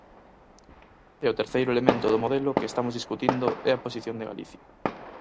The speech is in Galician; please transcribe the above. E o terceiro elemento do modelo que estamos discutindo é a posición de Galicia.